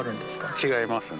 違いますね。